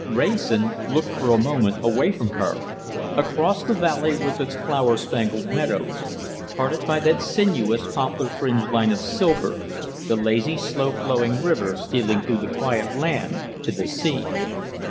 Wrayson looked for a moment away from her, across the valley with its flower spangled meadows, parted by that sinuous poplar fringed line of silver, the lazy, slow flowing river stealing through the quiet land to the sea.